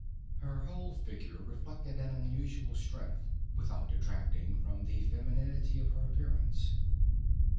Her whole figure reflected an unusual strength, without detracting from the femininity of her appearance.